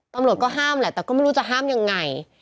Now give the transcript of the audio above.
ตำรวจก็ห้ามแหละแต่ก็ไม่รู้จะห้ามยังไง